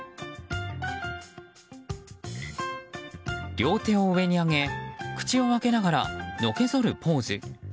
両手を上に上げ口を開けながら、のけぞるポーズ。